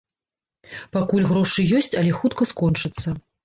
Пакуль грошы ёсць, але хутка скончацца.